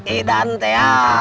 idan teh amin